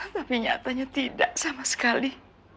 tapi nyatanya tidak sama sekali